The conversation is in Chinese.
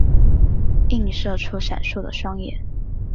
映射出闪烁的双眼